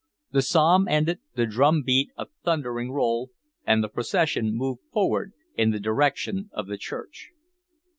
The psalm ended, the drum beat a thundering roll, and the procession moved forward in the direction of the church.